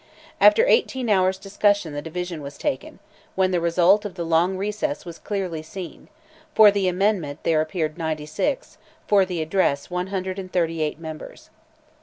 After eighteen hours' discussion the division was taken, when the result of the long recess was clearly seen; for the amendment there appeared 96, for the address 138 members.